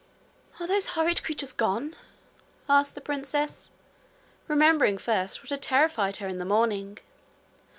'Are those horrid creatures gone?' asked the princess, remembering first what had terrified her in the morning.